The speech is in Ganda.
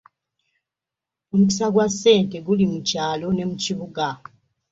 Omukisa gwa ssente guli mu kyalone mu kibuga.